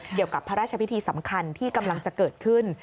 เกี่ยวกับพระราชพิธีสำคัญที่กำลังจะเกิดขึ้น